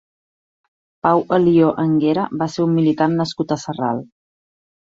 Pau Alió Anguera va ser un militar nascut a Sarral.